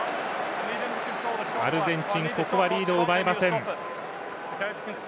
アルゼンチンここはリードを奪えません。